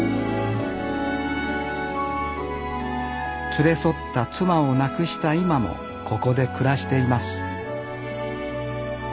連れ添った妻を亡くした今もここで暮らしています